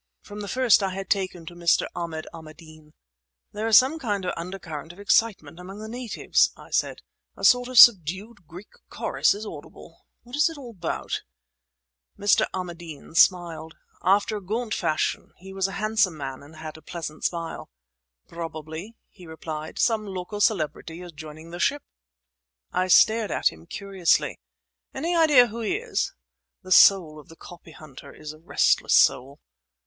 From the first I had taken to Mr. Ahmad Ahmadeen. "There is some kind of undercurrent of excitement among the natives," I said, "a sort of subdued Greek chorus is audible. What's it all about?" Mr. Ahmadeen smiled. After a gaunt fashion, he was a handsome man and had a pleasant smile. "Probably," he replied, "some local celebrity is joining the ship." I stared at him curiously. "Any idea who he is?" (The soul of the copyhunter is a restless soul.)